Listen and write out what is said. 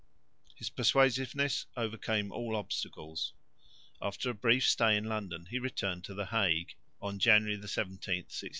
His persuasiveness overcame all obstacles. After a brief stay in London he returned to the Hague, January 17, 1668.